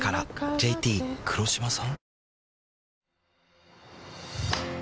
ＪＴ黒島さん？